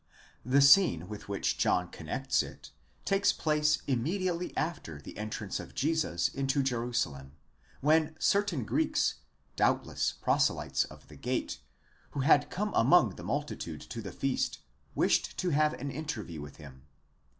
27 ff. The scene with which John connects it takes place immediately after the entrance of Jesus into Jerusalem, when certain Greeks, doubtless proselytes of the gate, who had come among the multitude to the feast, wished to have an interview with him.